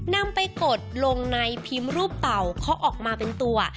นำไปกดลงในพิมพ์รูปเป่าเขาออกมาเป็นตัว